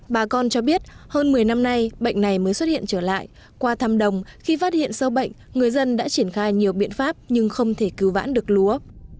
bà con cho biết hơn một mươi năm nay bệnh này mới xuất hiện trở lại qua thăm đồng khi phát hiện sâu bệnh người dân đã triển khai nhiều biện pháp nhưng không thể cứu vãn được lúa